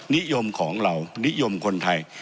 นิยมของเรานิยมคนไทย